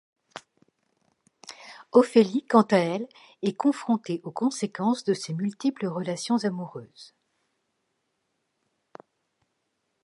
Ophélie, quant à elle, est confrontée aux conséquences de ses multiples relations amoureuses.